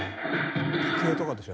時計とかでしょ